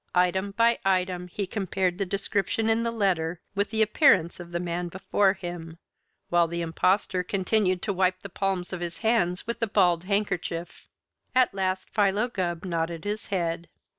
Item by item he compared the description in the letter with the appearance of the man before him, while the Impostor continued to wipe the palms of his hands with the balled handkerchief. At last Philo Gubb nodded his head.